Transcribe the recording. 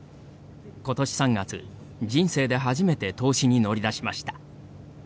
ことし３月、人生で初めて投資に乗り出しました。